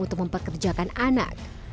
untuk memperkerjakan anak